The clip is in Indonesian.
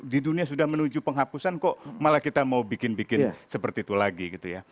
di dunia sudah menuju penghapusan kok malah kita mau bikin bikin seperti itu lagi gitu ya